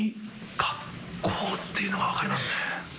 学校っていうのが分かりますね。